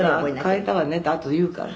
「変えたわねってあとで言うから」